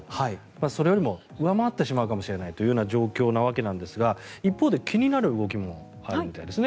それよりも上回ってしまう状況なわけですが一方で気になる動きもあるみたいですね。